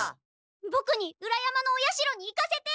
ボクに裏山のお社に行かせて！